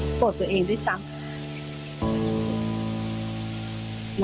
มันเป็นอาหารของพระราชา